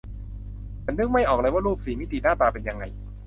ฉันนึกไม่ออกเลยว่ารูปสี่มิติหน้าตาเป็นยังไง